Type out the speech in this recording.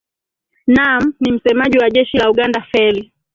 naam ni msemaji wa jeshi la uganda feli